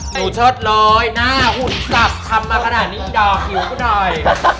หนูเชิดเลยหน้าหุ่นจับทำมาขนาดนี้ดอกหิวกูหน่อย